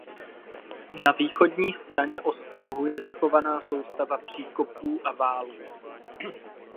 Na východní straně ostrohu je zachovaná soustava příkopů a valů.